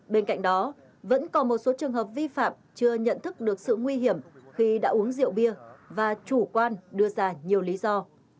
bên cạnh đó vẫn còn một số trường hợp vi phạm chưa nhận thức được sự nguy hiểm khi đã uống rượu bia và chủ quan đưa ra nhiều lý do